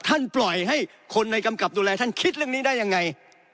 ปล่อยให้คนในกำกับดูแลท่านคิดเรื่องนี้ได้ยังไง